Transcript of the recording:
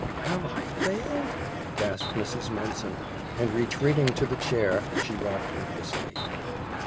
"Have I failed?" gasped Mrs. Mumpson, and retreating to the chair, she rocked nervously.